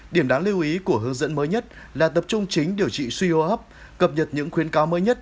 điểm đáng lưu ý của hướng dẫn mới nhất là tập trung chính điều trị suy hô hấp cập nhật những khuyến cáo mới nhất